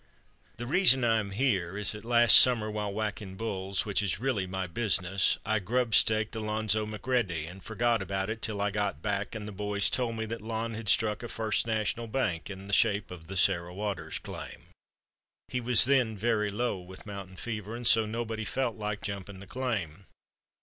"The reason I am here is that last summer while whacking bulls, which is really my business, I grub staked Alonzo McReddy and forgot about it till I got back and the boys told me that Lon had struck a First National bank in the shape of the Sarah Waters claim. He was then very low with mountain fever and so nobody felt like jumping the claim.